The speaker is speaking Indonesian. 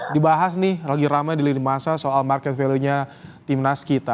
dibahas nih lagi ramai di lini masa soal market value nya timnas kita